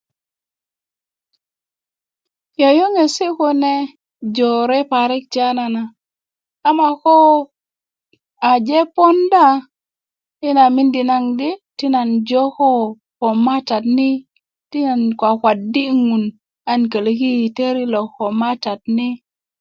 yoyŋesi' kune jore parik tiyanana ama ko aje ponda ina mindi naŋ di ti nan joo koo ko matat ni ti nan kwakwadi' ŋun an kölöki teri lo ko matat ni